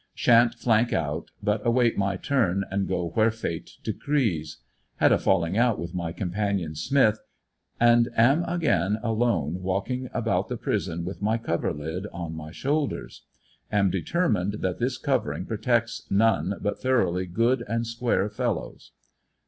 Shan't flank out, but await my turn and go where fate decrees. Had a falling out with my companion Smith, and am again alone walking about the prison with my coverlid on my shoulders. Am determined that this covering protects none but thoroughly good and square fellows.